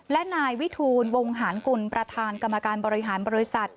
และนายวิทูลวงหารกุลประธานกรรมการบริหารบริษัท